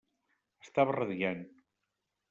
Estava radiant.